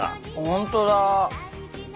本当だ！